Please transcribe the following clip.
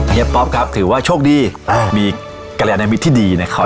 เฮียป๊อบครับถือว่าโชคดีเออมีกระแหลนแอมมิตรที่ดีนะครับ